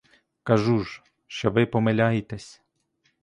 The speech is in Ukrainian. Кажу ж, що ви помиляєтесь.